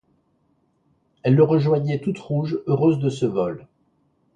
Elle le rejoignait toute rouge, heureuse de ce vol.